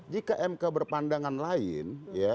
jika mk berpandangan lain